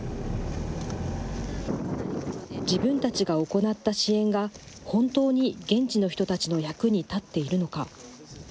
自分たちが行った支援が、本当に現地の人たちの役に立っているのか。